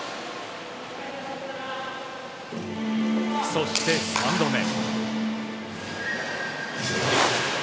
そして３度目。